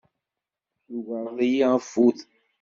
Tugareḍ-iyi afud.